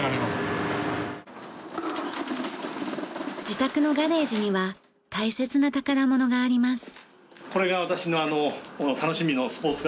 自宅のガレージには大切な宝物があります。